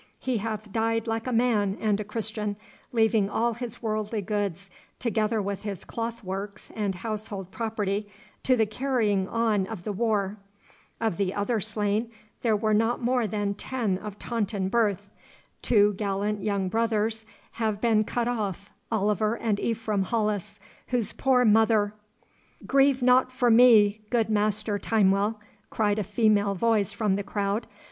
He hath died like a man and a Christian, leaving all his worldly goods, together with his cloth works and household property, to the carrying on of the war. Of the other slain there are not more than ten of Taunton birth. Two gallant young brothers have been cut off, Oliver and Ephraim Hollis, whose poor mother ' 'Grieve not for me, good Master Timewell,' cried a female voice from the crowd.